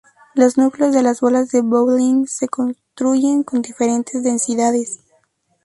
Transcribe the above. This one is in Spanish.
Los núcleos de las bolas de bowling se construyen con diferentes densidades.